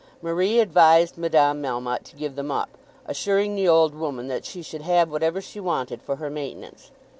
Marie advised Madame Melmotte to give them up, assuring the old woman that she should have whatever she wanted for her maintenance.